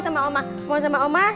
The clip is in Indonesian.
mau sama oma